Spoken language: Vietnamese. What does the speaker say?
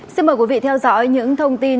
xin mời quý vị theo dõi những thông tin